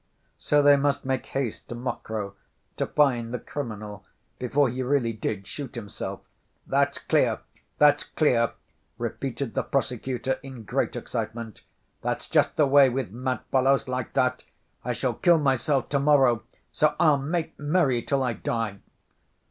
So they must make haste to Mokroe to find the criminal, before he really did shoot himself. "That's clear, that's clear!" repeated the prosecutor in great excitement. "That's just the way with mad fellows like that: 'I shall kill myself to‐ morrow, so I'll make merry till I die!